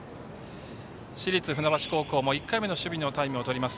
市立船橋高校も１回目の守備のタイムを取ります。